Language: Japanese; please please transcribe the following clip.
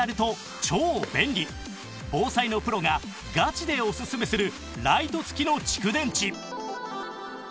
防災のプロがガチでオススメするライト付きの蓄電池